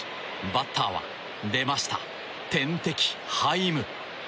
バッターは出ました、天敵ハイム。